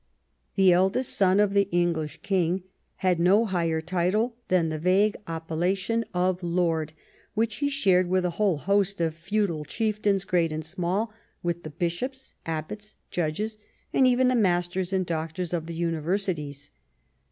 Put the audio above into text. The eldest son of the 12 EDWARD I CHAP. English king had no higher title than the vague appella tion of "lord," which he shared with a whole host of feudal chieftains, great and small, with the bishops, abbots, judges, and even the masters and doctors of the universities.